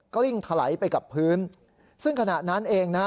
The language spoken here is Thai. กลิ้งถลายไปกับพื้นซึ่งขณะนั้นเองนะฮะ